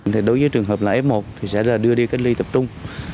thì đối với trường hợp là f một thì sẽ là đưa đi cách ly tập trung